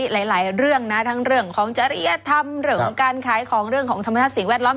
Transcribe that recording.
หลายเรื่องนะทั้งเรื่องของจริยธรรมเรื่องของการขายของเรื่องของธรรมชาติสิ่งแวดล้อม